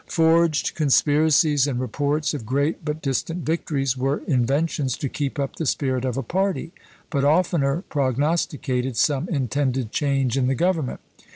Forged conspiracies and reports of great but distant victories were inventions to keep up the spirit of a party, but oftener prognosticated some intended change in the government.